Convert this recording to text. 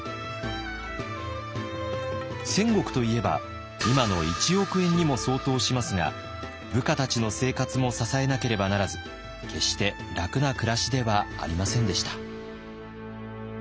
１，０００石といえば今の１億円にも相当しますが部下たちの生活も支えなければならず決して楽な暮らしではありませんでした。